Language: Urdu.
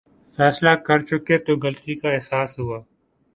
فیصلہ کرچکے تو غلطی کا احساس ہوا۔